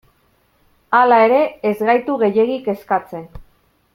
Hala ere, ez gaitu gehiegi kezkatzen.